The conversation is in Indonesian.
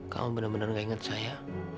kamu benar benar gak ingat saya